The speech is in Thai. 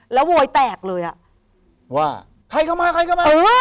แล้วโวยแตกเลยอ่ะว่าใครเข้ามาใครเข้ามา